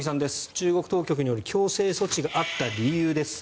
中国当局による強制措置があった理由です。